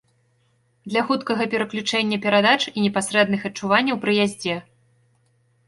Для хуткага пераключэння перадач і непасрэдных адчуванняў пры яздзе.